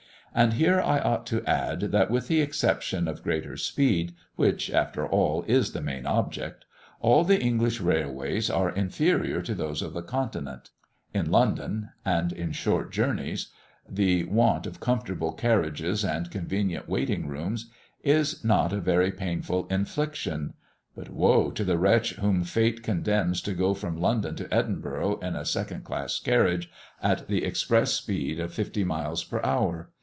And here I ought to add, that with the exception of greater speed, which, after all, is the main object, all the English railways are inferior to those of the Continent. In London, and in short journeys, the want of comfortable carriages and convenient waiting rooms is not a very painful infliction; but woe to the wretch whom fate condemns to go from London to Edinburgh in a second class carriage at the express speed of fifty miles per hour!